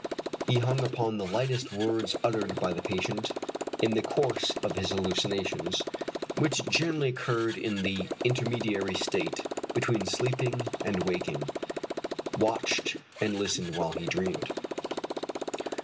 He hung upon the lightest words uttered by the patient in the course of his hallucinations, which generally occurred in the intermediary state between sleeping and waking watched and listened while he dreamed.